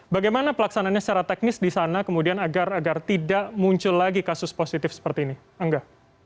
bagaimana pelaksananya secara teknis di sana kemudian agar tidak muncul lagi kasus positif seperti ini angga